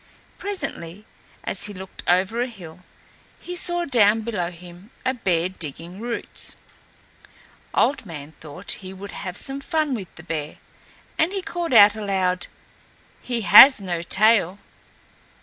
Presently, as he looked over a hill he saw down below him a bear digging roots. Old Man thought he would have some fun with the bear, and he called out aloud, "He has no tail."